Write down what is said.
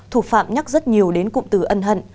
thủ phạm nhắc rất nhiều đến cụm từ ân hận